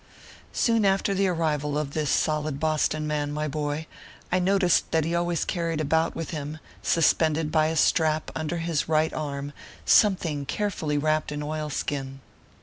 Soon after the arrival of this solid Boston man, my boy, I noticed that he always carried about with him, suspended by a strap under his right arm, something carefully wrapped in oilskin.